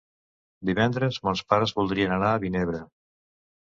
Divendres mons pares voldrien anar a Vinebre.